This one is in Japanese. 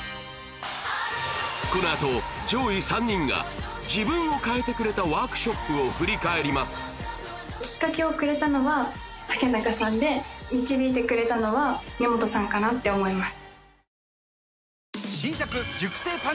このあと上位３人が自分を変えてくれたワークショップを振り返りますきっかけをくれたのは竹中さんで導いてくれたのは根本さんかなって思います